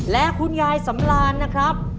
และคุณยายสำรานนะครับ